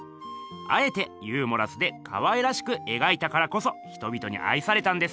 あえてユーモラスでかわいらしくえがいたからこそ人びとにあいされたんです！